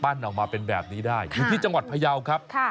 ออกมาเป็นแบบนี้ได้อยู่ที่จังหวัดพยาวครับ